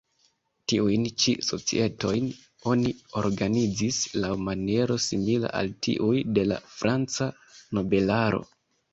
Tiujn ĉi societojn oni organizis laŭ maniero simila al tiuj de la franca nobelaro.